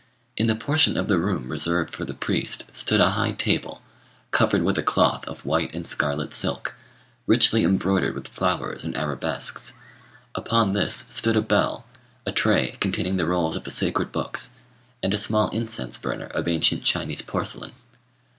In the portion of the room reserved for the priest stood a high table, covered with a cloth of white and scarlet silk, richly embroidered with flowers and arabesques; upon this stood a bell, a tray containing the rolls of the sacred books, and a small incense burner of ancient Chinese porcelain.